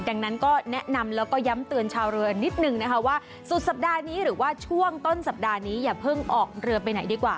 ดังนั้นก็แนะนำแล้วก็ย้ำเตือนชาวเรือนิดนึงนะคะว่าสุดสัปดาห์นี้หรือว่าช่วงต้นสัปดาห์นี้อย่าเพิ่งออกเรือไปไหนดีกว่า